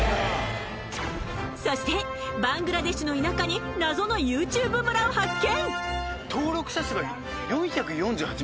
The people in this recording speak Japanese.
そしてバングラデシュの田舎に謎の ＹｏｕＴｕｂｅ 村を発見